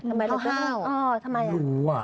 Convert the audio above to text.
ทำไมเราก็อ้อทำไมอ่ะไม่รู้อ่ะ